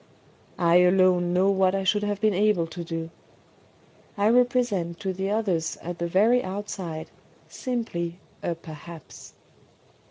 ... I alone know what I should have been able to do. ... I represent to the others at the very outside, simply A PERHAPS.